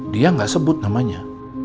dia ga sebut namanya